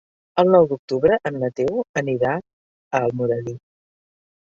El nou d'octubre en Mateu anirà a Almoradí.